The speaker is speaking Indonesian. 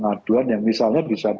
itu kadang memikat pantas